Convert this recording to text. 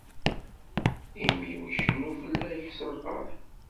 Imi-w icennu fell-ak s lferḥ.